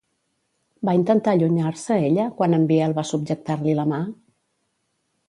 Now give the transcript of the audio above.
Va intentar allunyar-se ella quan en Biel va subjectar-li la mà?